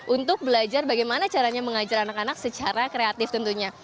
untuk belajar bagaimana caranya mengajar anak anak secara kreatif tentunya